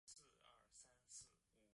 两人在台北县的金山农场同居。